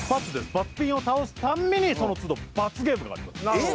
罰ピンを倒すたんびにそのつど罰ゲームがありますえっ？